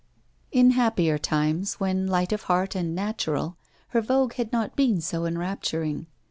In happier times, when light of heart and natural, her vogue had not been so enrapturing.